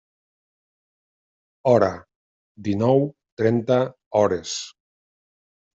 Hora: dinou trenta hores.